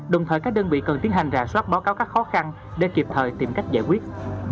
đồng thời các đơn vị cần tiến hành rà soát báo cáo các khó khăn để kịp thời tìm cách giải quyết